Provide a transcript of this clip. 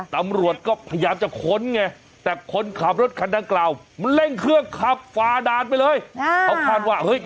ตำรวจก็พยายามจะขนไงแต่ขนขับรถคันด้านกล่าว